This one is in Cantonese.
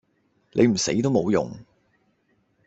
你唔死都無用